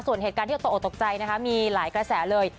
ส่วนเหตุการณ์ที่ตกออกตกใจนะคะมีหลายกระแสเลย